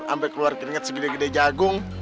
sampai keluar keringat segede gede jagung